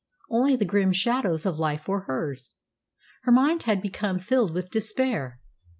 Only the grim shadows of life were hers. Her mind had become filled with despair.